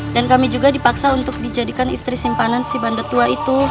dan kami juga dipaksa untuk dijadikan istri simpanan si bandut tua